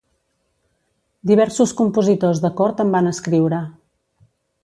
Diversos compositors de cort en van escriure.